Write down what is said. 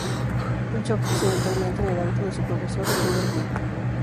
Él choca accidentalmente en el auto de su profesor, el Sr. Wheat.